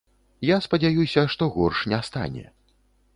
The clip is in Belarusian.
Я спадзяюся, што горш не стане.